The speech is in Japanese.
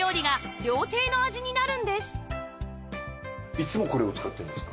いつもこれを使ってるんですか？